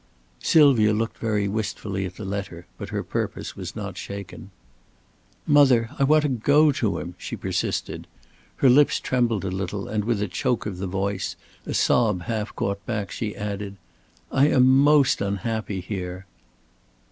Sylvia looked very wistfully at the letter, but her purpose was not shaken. "Mother, I want to go to him," she persisted. Her lips trembled a little, and with a choke of the voice, a sob half caught back, she added: "I am most unhappy here."